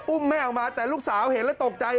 แม่ออกมาแต่ลูกสาวเห็นแล้วตกใจ